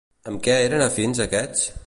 Amb què eren afins aquests?